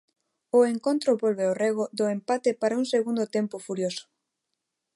O encontro volve ao rego do empate para un segundo tempo furioso.